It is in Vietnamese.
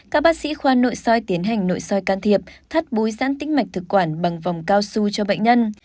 các bác sĩ khoa nội soi tiến hành nội soi can thiệp thắt búi giãn tính mạch thực quản bằng vòng cao su cho bệnh nhân